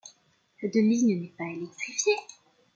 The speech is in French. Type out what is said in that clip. Cette ligne n'est pas électrifiée.